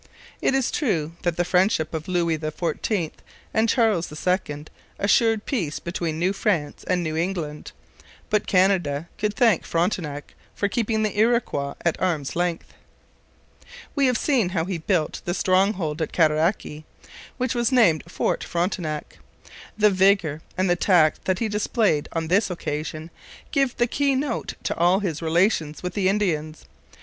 It is true that the friendship of Louis XIV and Charles II assured peace between New France and New England. But Canada could thank Frontenac for keeping the Iroquois at arm's length. We have seen how he built the stronghold at Cataraqui, which was named Fort Frontenac. The vigour and the tact that he displayed on this occasion give the keynote to all his relations with the Indians.